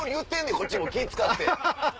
こっちも気ぃ使って。